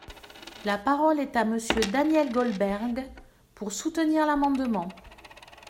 La parole est à Monsieur Daniel Goldberg, pour soutenir l’amendement.